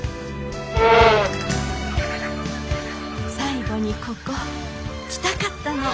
最後にここ来たかったの。